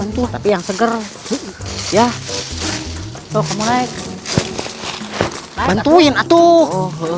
tapi yang seger ya toh kemarin bantuin atuh